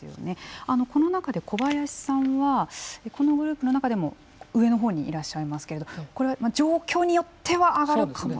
この中で小林さんはこのグループの中でも上のほうにいらっしゃいますけれどこれは状況によっては上がるかも。